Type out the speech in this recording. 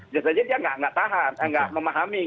biasanya dia tidak tahan tidak memahami